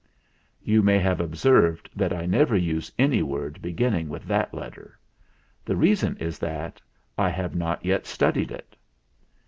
You may have observed that I never use any word beginning with that let ter. The reason is that I have not yet studied it."